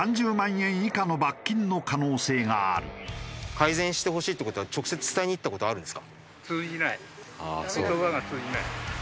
改善してほしいって事は直接伝えに行った事はあるんですか？